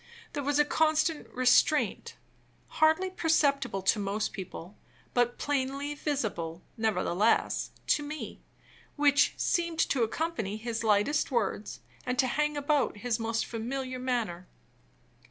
There was a constant restraint, hardly perceptible to most people, but plainly visible, nevertheless, to me, which seemed to accompany his lightest words, and to hang about his most familiar manner.